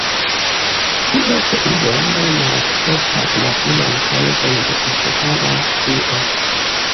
Ties idearo malakceptas la finan kaŭzon de "Iŝvara" (Dio).